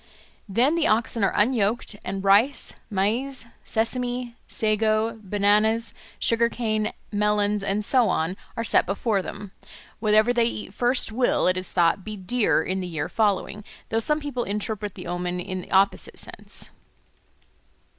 Then the oxen are unyoked, and rice, maize, sesame, sago, bananas, sugar cane, melons, and so on, are set before them; whatever they eat first will, it is thought, be dear in the year following, though some people interpret the omen in the opposite sense.